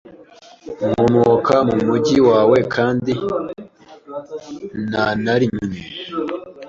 Nkomoka mu mujyi wawe kandi nta na rimwe